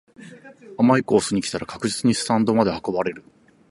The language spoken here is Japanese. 甘いコースに来たら確実にスタンドまで運ばれる